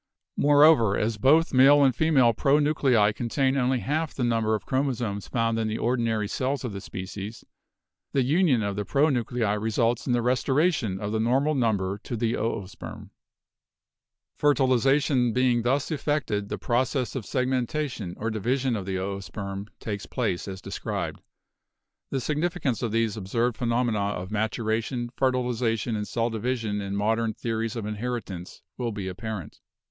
Moreover, as both male and female pronu clei contain only half the number of chromosomes found in the ordinary cells of the species, the union of the pro nuclei results in the restoration of the normal number to the oosperm. Fertilization being thus effected, the process of segmen tation, or division of the oosperm, takes place as described. The significance of these observed phenomena of matu ration, fertilization and cell division in modern theories of inheritance will be apparent.